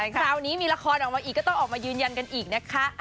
คราวนี้มีละครออกมาอีกก็ต้องออกมายืนยันกันอีกนะคะ